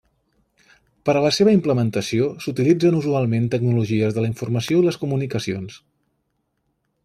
Per a la seva implementació s'utilitzen usualment tecnologies de la informació i les comunicacions.